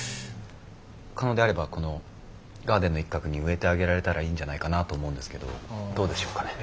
可能であればこのガーデンの一角に植えてあげられたらいいんじゃないかなと思うんですけどどうでしょうかね。